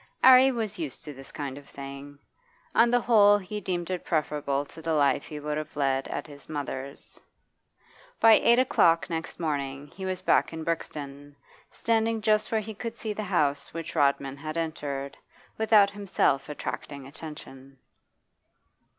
'Arry was used to this kind of thing. On the whole he deemed it preferable to the life he would have led at his mother's. By eight o'clock next morning he was back in Brixton, standing just where he could see the house which Rodman had entered, without himself attracting attention.